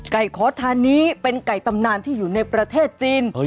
ขอทานนี้เป็นไก่ตำนานที่อยู่ในประเทศจีน